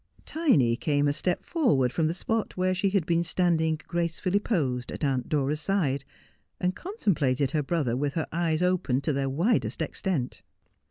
Tiny came a step forward from the spot where she had been standing gracefully posed at Aunt Dora's side, and contemplated her brother with her eyes opened to their widest extent.